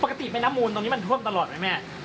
ปกติแม่น้ำมูลตรงนี้มันท่วมตลอดไหมแม่